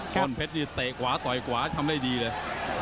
ก้อนเพชรนี่เตะขวาต่อยขวาทำได้ดีเลย